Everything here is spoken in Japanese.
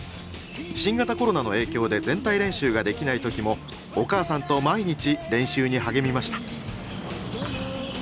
新型コロナの影響で全体練習ができない時もお母さんと毎日練習に励みました。